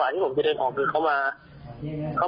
ว่าผมต้องไปส่งทำงานของผมก่อน